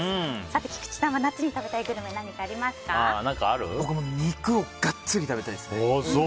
菊池さんは夏に食べたいグルメ僕肉をガッツリ食べたいですね。